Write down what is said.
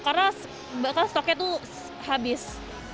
karena bahkan stoknya tuh habis